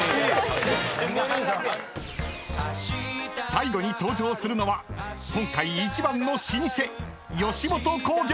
［最後に登場するのは今回一番の老舗］